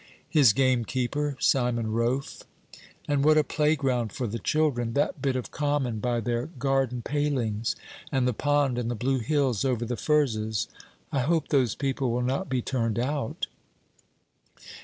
'His gamekeeper, Simon Rofe.' 'And what a playground for the children, that bit of common by their garden palings! and the pond, and the blue hills over the furzes. I hope those people will not be turned out.'